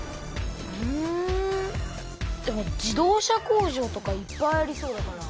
うんでも自動車工場とかいっぱいありそうだから９０％。